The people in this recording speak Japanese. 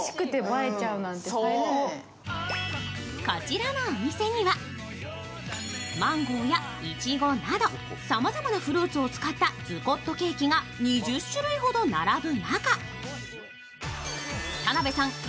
こちらのお店には、マンゴーやいちごなどさまざまなフルーツを使ったズコットケーキが２０種類ほど並ぶ中、田辺さん